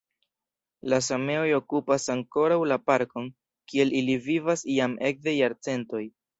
La sameoj okupas ankoraŭ la parkon, kie ili vivas jam ekde jarcentoj.